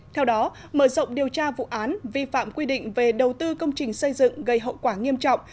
theo đó mở rộng điều tra vụ án vi phạm quy định về đầu tư công trình xây dựng gây hậu quả nghiêm trọng